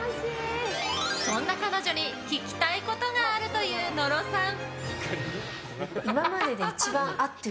そんな彼女に、聞きたいことがあるという野呂さん。